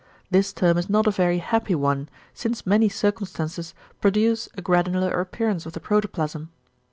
This term is not a very happy one, since many circumstances produce a granular appearance of the protoplasm.